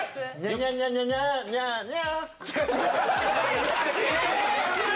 ニャニャニャニャーニャ。